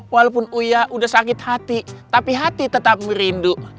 walaupun uya udah sakit hati tapi hati tetap merindu